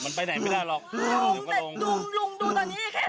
มันไปไหนไม่ได้หรอกลุงดูตอนนี้แค่ติ๋วมายังไงนี่เลย